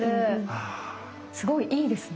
すごいいいですね。